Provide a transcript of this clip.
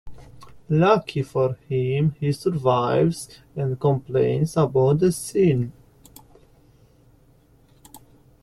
Lucky for him, he survives and complains about the scene.